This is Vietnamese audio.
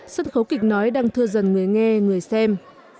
sân khấu kịch nói đang thưa dần người nghe người xem